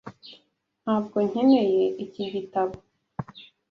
Ntabwo nkeneye iki gitabo.